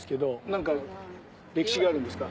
何か歴史があるんですか？